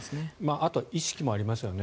あとは意識もありますよね。